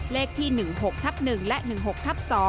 เลขที่๑๖ทับ๑และ๑๖ทับ๒